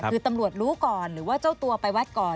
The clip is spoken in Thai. คือตำรวจรู้ก่อนหรือว่าเจ้าตัวไปวัดก่อน